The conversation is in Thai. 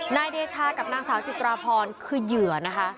นายเดชากับนางสาวจิตราพรคือเหยื่อนะคะ